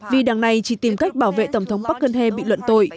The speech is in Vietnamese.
vì đảng này chỉ tìm cách bảo vệ tổng thống park geun hye bị luận tội